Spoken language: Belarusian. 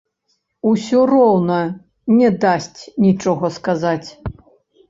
Усё роўна не дасць нічога сказаць.